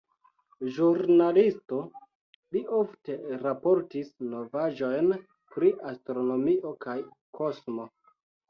Ĵurnalisto, li ofte raportis novaĵojn pri astronomio kaj kosmo.